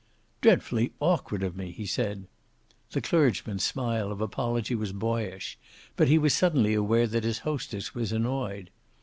"Dreadfully awkward of me!" he said. The clergyman's smile of apology was boyish, but he was suddenly aware that his hostess was annoyed.